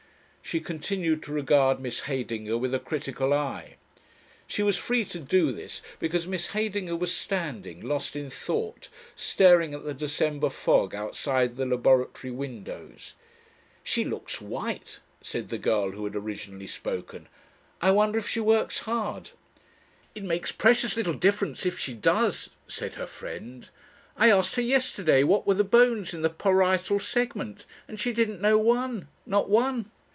She continued to regard Miss Heydinger with a critical eye. She was free to do this because Miss Heydinger was standing, lost in thought, staring at the December fog outside the laboratory windows. "She looks white," said the girl who had originally spoken. "I wonder if she works hard." "It makes precious little difference if she does," said her friend. "I asked her yesterday what were the bones in the parietal segment, and she didn't know one. Not one."